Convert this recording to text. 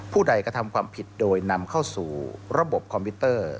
ใดกระทำความผิดโดยนำเข้าสู่ระบบคอมพิวเตอร์